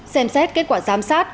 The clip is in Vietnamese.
bốn xem xét kết quả giám sát